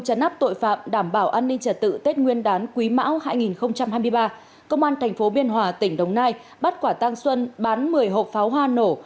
trận áp tội phạm đảm bảo an ninh trật tự tết nguyên đán quý mão hai nghìn hai mươi ba công an thành phố biên hòa tỉnh đồng nai bắt quả tăng xuân bán một mươi hộp pháo hoa nổ